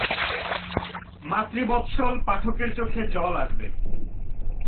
মাতৃবৎসল পাঠকের চোখে জল আসবে।